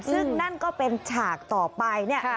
ซึ่งนั่นก็เป็นฉากต่อไปเนี่ย